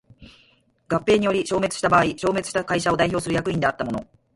合併により消滅した場合消滅した会社を代表する役員であった者